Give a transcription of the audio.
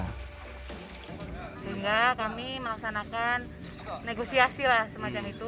sehingga kami melaksanakan negosiasi lah semacam itu